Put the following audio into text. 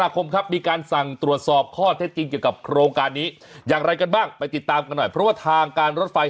กับการเปลี่ยนป้าย